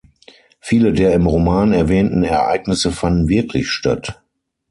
Viele der im Roman erwähnten Ereignisse fanden wirklich statt.